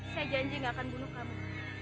saya janji gak akan bunuh kamu